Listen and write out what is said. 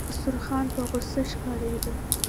خسروخان په غوسه ښکارېده.